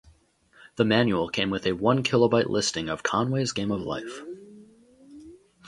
The manual came with a one-kilobyte listing of Conway's Game of Life.